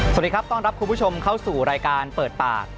สวัสดีครับต้อนรับคุณผู้ชมเข้าสู่รายการเปิดปาก